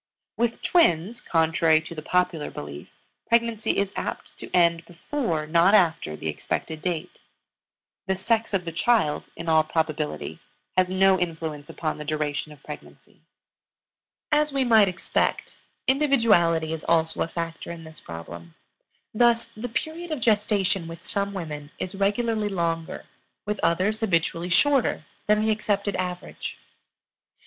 With twins, contrary to the popular belief, pregnancy is apt to end before, not after, the expected date. The sex of the child, in all probability, has no influence upon the duration of pregnancy. As we might expect, individuality is also a factor in this problem. Thus, the period of gestation with some women is regularly longer, with others habitually shorter than the accepted average.